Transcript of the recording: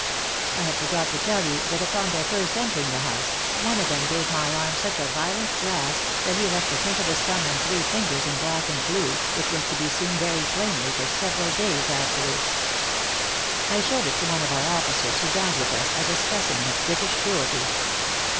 I had forgot to tell you that upon their first entering the house, one of them gave my arm such a violent grasp, that he left the print of his thumb and three fingers in black and blue, which was to be seen very plainly for several days afterwards. I showed it to one of our officers who dined with us, as a specimen of British cruelty.